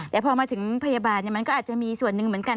แต่พอมาถึงพยาบาลมันก็อาจจะมีส่วนหนึ่งเหมือนกัน